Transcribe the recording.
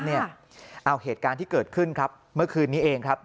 เอาเหตุการณ์ที่เกิดขึ้นครับเมื่อคืนนี้เองครับ